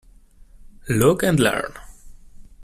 Look and learn.